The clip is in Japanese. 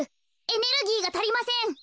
エネルギーがたりません。